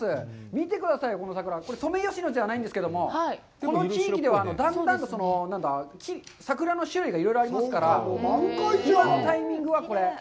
見てくださいよ、この桜、ソメイヨシノじゃないんですけど、この地域ではだんだんと、桜の種類がいろいろありますから、今のタイミングはこれ。